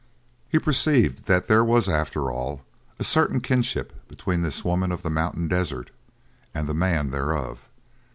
He perceived that there was, after all, a certain kinship between this woman of the mountain desert and the man thereof.